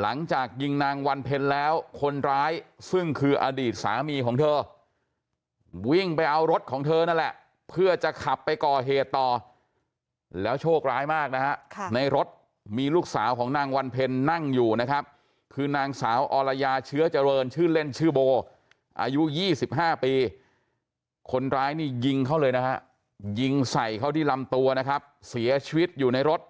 หลังจากยิงนางวันเพ็ญแล้วคนร้ายซึ่งคืออดีตสามีของเธอวิ่งไปเอารถของเธอนั่นแหละเพื่อจะขับไปก่อเหตุต่อแล้วโชคร้ายมากนะฮะในรถมีลูกสาวของนางวันเพ็ญนั่งอยู่นะครับคือนางสาวอรยาเชื้อเจริญชื่อเล่นชื่อโบอายุ๒๕ปีคนร้ายนี่ยิงเขาเลยนะฮะยิงใส่เขาที่ลำตัวนะครับเสียชีวิตอยู่ในรถ